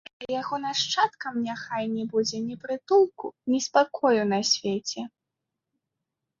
А яго нашчадкам няхай не будзе ні прытулку, ні спакою на свеце!